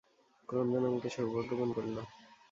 ক্রন্দন আমাকে সৌভাগ্যবান করল।